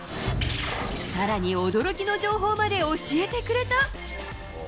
さらに驚きの情報まで教えてくれた。